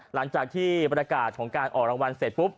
หลังจากที่ประกาศของการออกรางวัลเสร็จปุ๊บ